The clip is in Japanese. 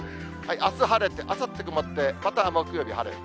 あす晴れて、あさって曇って、また木曜日晴れる。